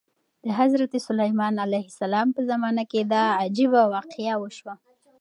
د حضرت سلیمان علیه السلام په زمانه کې دا عجیبه واقعه وشوه.